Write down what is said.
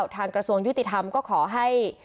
กระทรวงยุติธรรมก็ขอให้